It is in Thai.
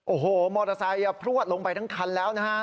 โอ้โหมอเตอร์ไซค์พลวดลงไปทั้งคันแล้วนะฮะ